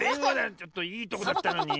ちょっといいとこだったのに。